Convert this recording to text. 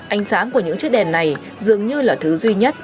ánh sáng của những chiếc đèn này dường như là thứ duy nhất